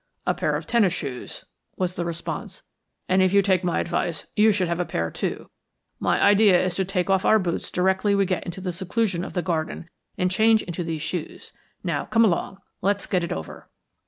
"A pair of tennis shoes," was the response. "And if you take my advice, you should have a pair, too. My idea is to take off our boots directly we get into the seclusion of the garden and change into these shoes. Now come along, let's get it over."